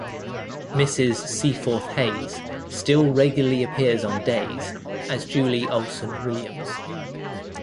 Mrs. Seaforth Hayes still regularly appears on "Days" as Julie Olsen Williams.